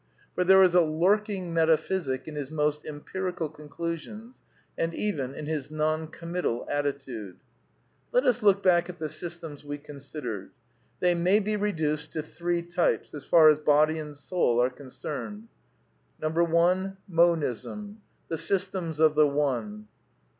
For there is a lurking meta physic in his most empirical conclusions, and even in his non committal attitude. Let us look back at the systems we considered. They may be reduced to three types, as far as body and soul are concerned. 1. Monism : the systems of the One.